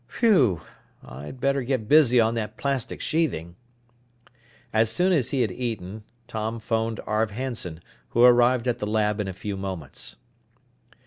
Whew! I'd better get busy on that plastic sheathing." As soon as he had eaten, Tom phoned Arv Hanson, who arrived at the lab in a few moments.